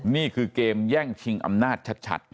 นี่คือเกมแย่งชิงอำนาจชัด